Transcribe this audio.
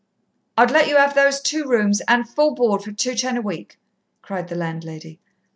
"I'd let you 'ave those two rooms, and full board, for two ten a week!" cried the landlady.